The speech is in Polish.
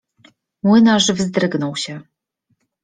Młynarz wzdrygnął się.